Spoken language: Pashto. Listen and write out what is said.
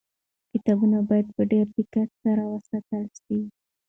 کتابونه باید په ډېر دقت سره وساتل سي.